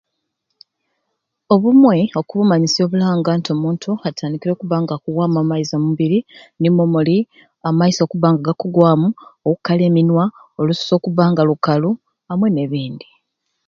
Obumwei oku bumanyisyo obulanga nti omuntu atandikire okuwamu amaizi omu mubiri nimwo muli amaiso okuba nga gakugwamu okukala eminwa lususu okuba nga lukalu amwei ne bindi